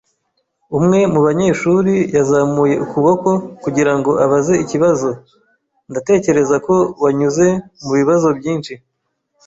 Umwe mu banyeshuri yazamuye ukuboko kugira ngo abaze ikibazo. Ndatekereza ko wanyuze mubibazo byinshi.